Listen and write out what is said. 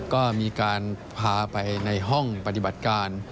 ก็มีการพาไปในห้องปฏิบัติการ